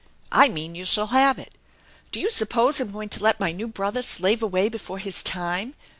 I mean you shall have it. Do you suppose I'm going to let my new brother slave away before his time?